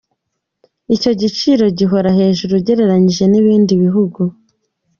Icyo giciro gihora hejuru ugereranyije n’ibindi bihugu.